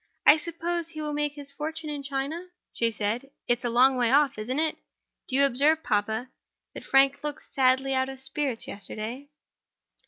"I suppose he will make his fortune in China?" she said. "It's a long way off, isn't it? Did you observe, papa, that Frank looked sadly out of spirits yesterday?"